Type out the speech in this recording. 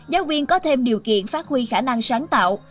giáo viên có thêm điều kiện phát huy khả năng sáng tạo